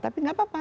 tapi tidak apa apa